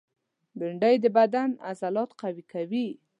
بېنډۍ د بدن عضلات قوي کوي